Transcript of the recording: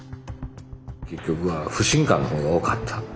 結局は不信感の方が多かった。